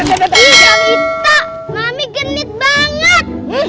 jangan hita mami genit banget